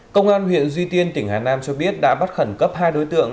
công an huyện duy tiên tỉnh hà nam cho biết đã bắt khẩn cấp hai đối tượng